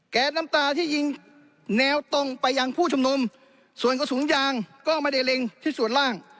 น้ำตาที่ยิงแนวตรงไปยังผู้ชุมนุมส่วนกระสุนยางก็ไม่ได้เล็งที่ส่วนล่าง